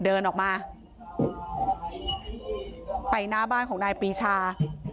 เดินออกมาไปหน้าบ้านของนายปีชา